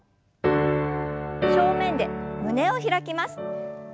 正面で胸を開きます。